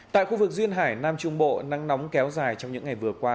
tại khu vực duyên hải nam trung bộ nắng nóng kéo dài trong những ngày vừa qua